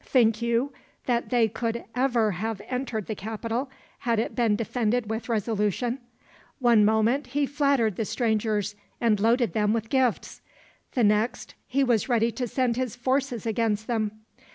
Think you that they could ever have entered the capital, had it been defended with resolution? One moment he flattered the strangers and loaded them with gifts; the next he was ready to send his forces against them.